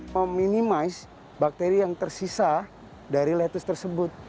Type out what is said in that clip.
meminimize bakteri yang tersisa dari lettuce tersebut